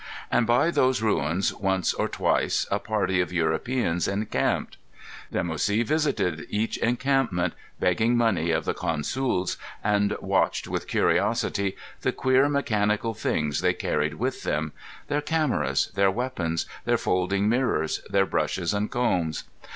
And by those ruins once or twice a party of Europeans encamped. Dimoussi visited each encampment, begged money of the "consools," and watched with curiosity the queer mechanical things they carried with them—their cameras, their weapons, their folding mirrors, their brushes and combs.